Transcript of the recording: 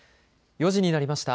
４時になりました。